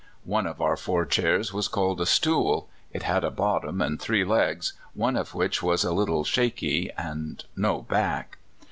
(One of our four chairs was called a stool. It had a bottom and three legs, one of which was a little shaky, and no back.